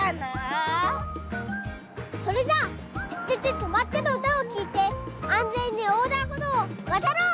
それじゃあ「ててて！とまって！」のうたをきいてあんぜんにおうだんほどうをわたろう！